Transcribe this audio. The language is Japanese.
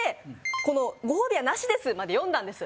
この「ごほうびはなしです」まで読んだんです。